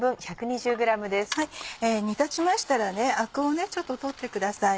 煮立ちましたらアクをちょっと取ってください。